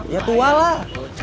ya tua lah